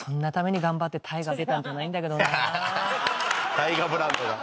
大河ブランドが！